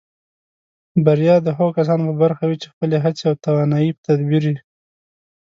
بریا د هغو کسانو په برخه وي چې خپلې هڅې او توانایۍ په تدبیر